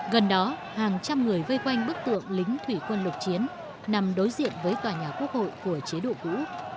gần đó hàng trăm người vây quanh bức tượng lính thủy quân lục chiến nằm đối diện với tòa nhà quốc hội của chế độ cũ